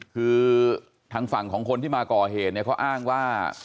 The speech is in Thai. คือทางฝั่งของคนที่มาก่อเหตุเนี่ยเขาอ้างว่า